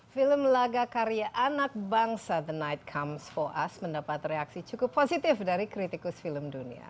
film laga karya anak bangsa the night comes for us mendapat reaksi cukup positif dari kritikus film dunia